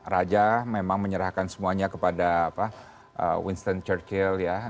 raja memang menyerahkan semuanya kepada winston churchill ya